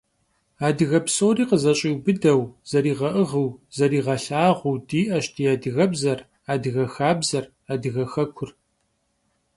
Адыгэ псори къызэщӀиубыдэу, зэригъэӀыгъыу, зэригъэлъагъуу диӀэщ ди адыгэбзэр, адыгэ хабзэр, адыгэ хэкур.